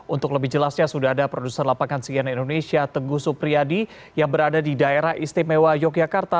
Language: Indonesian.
untuk lebih jelasnya sudah ada produser lapangan sian indonesia teguh supriyadi yang berada di daerah istimewa yogyakarta